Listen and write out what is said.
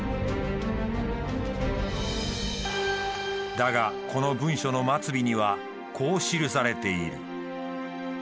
だがこの文書の末尾にはこう記されている。